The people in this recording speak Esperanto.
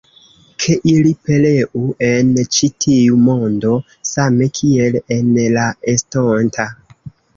Ke ili pereu en ĉi tiu mondo, same kiel en la estonta!